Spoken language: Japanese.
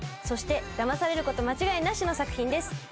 そしてだまされること間違いなしの作品です。